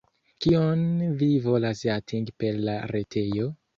Kion vi volas atingi per la retejo?